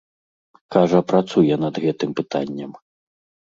Кажа, працуе над гэтым пытаннем.